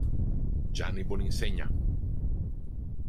Gianni Boninsegna